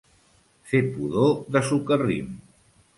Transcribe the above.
Fer pudor de socarrim.